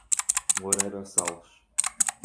Moreira Sales